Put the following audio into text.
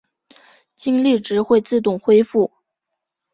精力值会自动恢复。